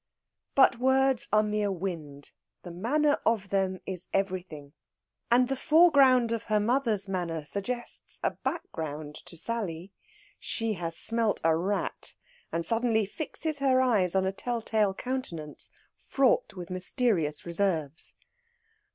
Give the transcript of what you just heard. But words are mere wind; the manner of them is everything, and the foreground of her mother's manner suggests a background to Sally. She has smelt a rat, and suddenly fixes her eyes on a tell tale countenance fraught with mysterious reserves.